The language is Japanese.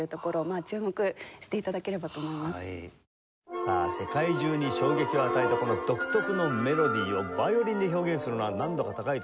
さあ世界中に衝撃を与えたこの独特のメロディをヴァイオリンで表現するのは難度が高いと思います。